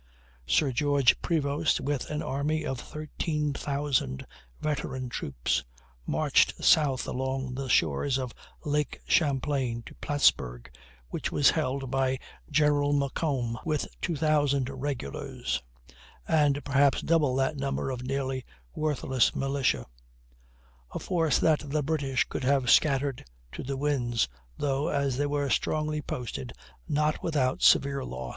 Sir George Prevost, with an army of 13,000 veteran troops, marched south along the shores of Lake Champlain to Plattsburg, which was held by General Macomb with 2,000 regulars, and perhaps double that number of nearly worthless militia; a force that the British could have scattered to the winds, though, as they were strongly posted, not without severe loss.